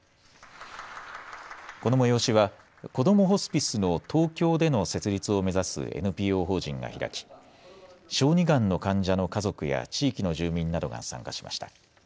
この催しはこどもホスピスの東京での設立を目指すＮＰＯ法人が開き、小児がんの患者の家族や地域の住民などが参加しました。